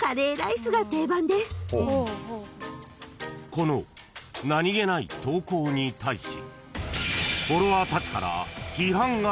［この何げない投稿に対し］